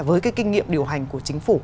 với cái kinh nghiệm điều hành của chính phủ